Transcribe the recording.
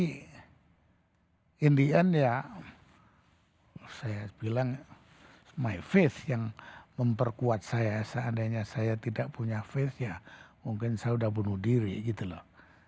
akhirnya ya saya bilang percayaanku yang memperkuat saya seandainya saya tidak punya percayaanku ya mungkin saya sudah bunuh diri gitu loh